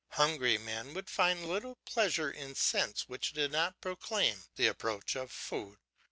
Hungry men would find little pleasure in scents which did not proclaim the approach of food.